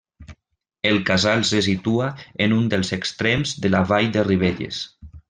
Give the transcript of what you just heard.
El casal se situa en un dels extrems de la Vall de Ribelles.